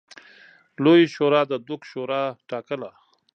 لویې شورا د دوک شورا ټاکله.